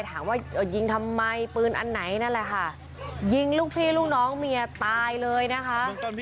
ถามว่ายิงทำไมปืนอันไหนนั่นแหละค่ะยิงลูกพี่ลูกน้องเมียตายเลยนะคะ